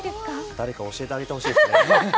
誰か教えてあげてほしいですね。